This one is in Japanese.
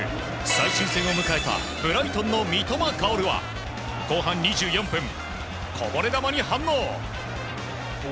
最終戦を迎えたブライトンの三笘薫は後半２４分こぼれ球に反応。